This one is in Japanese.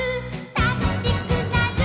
「たのしくなる」